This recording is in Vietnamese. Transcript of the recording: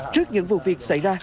trước những vụ việc xảy ra